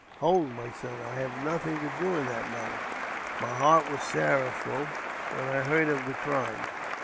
" Hold, my son ! I had nothing to do in the matter. My heart was sorrowful when I heard of the crime.